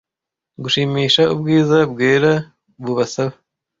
gushimisha ubwiza bwera bubasaba